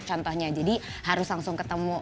contohnya jadi harus langsung ketemu